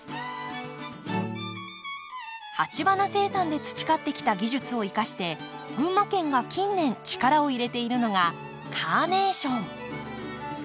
鉢花生産で培ってきた技術を生かして群馬県が近年力を入れているのがカーネーション。